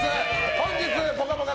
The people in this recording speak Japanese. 本日、「ぽかぽか」